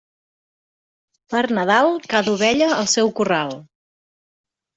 Per Nadal, cada ovella al seu corral.